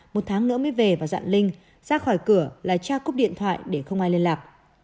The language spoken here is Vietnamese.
một tháng nữa mới về và dạn linh ra khỏi cửa là tra cúp điện thoại để không ai liên lạc